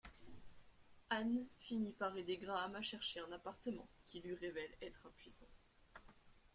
Ann finit par aider Graham à chercher un appartement, qui lui révèle être impuissant.